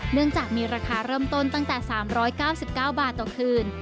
เนื่องจากมีราคาเริ่มต้นตั้งแต่๓๙๙บาทต่อคืน